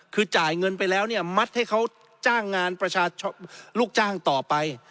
คือจ่ายเงินไปแล้วมัดให้เขาจ้างงานลูกจ้างต่อไป